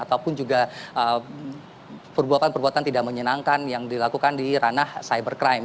ataupun juga perbuatan perbuatan tidak menyenangkan yang dilakukan di ranah cybercrime